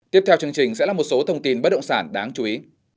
tiếp theo chương trình sẽ là một số thông tin bất động sản đáng chú ý